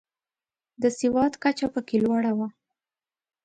د سواد کچه پکې لوړه وه.